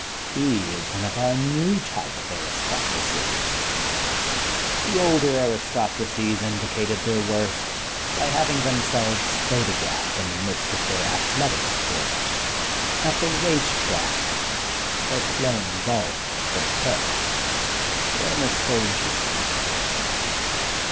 He is one of our new type of aristocracy. The older aris tocracies indicated their worth by having themselves photographed in the midst of their athletic sports, at the race track, or playing golf or croquet, or in soldier ^s uniform.